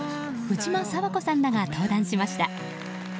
藤間爽子さんらが登壇しました。